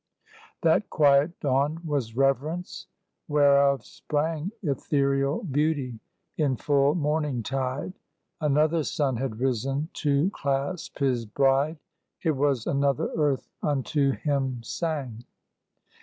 That quiet dawn was Reverence; whereof sprang Ethereal Beauty in full morningtide. Another sun had risen to clasp his bride: It was another earth unto him sang.